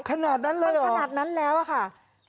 ขนาดนั้นเลยขนาดนั้นแล้วอะค่ะ